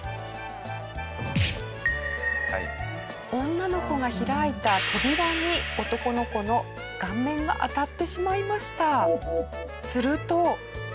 女の子が開いた扉に男の子の顔面が当たってしまいました。